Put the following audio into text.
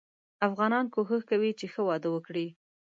افغانان کوښښ کوي چې ښه واده وګړي.